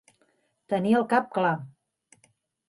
Tenir el cap clar.